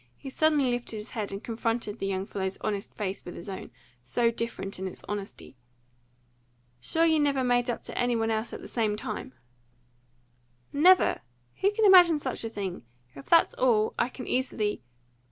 He suddenly lifted his head, and confronted the young fellow's honest face with his own face, so different in its honesty. "Sure you never made up to any one else at the same time?" "NEVER! Who could imagine such a thing? If that's all, I can easily."